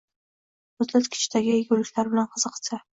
muzlatkichingizdagi yeguliklar bilan qiziqsa